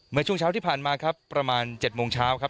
เมื่อช่วงเช้าที่ผ่านมาครับประมาณ๗โมงเช้าครับ